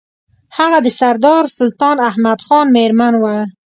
هغه د سردار سلطان احمد خان مېرمن وه.